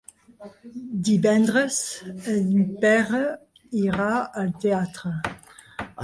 Divendres en Pere irà al teatre.